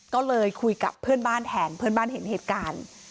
ก็เลยคุยกับเพื่อนบ้านแทนเพื่อนบ้านเห็นเหตุการณ์